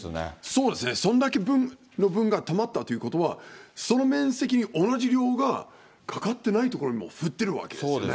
そうですね、そんだけの分がたまったということは、その面積に同じ量が、かかってない所にも降ってるわけですよね。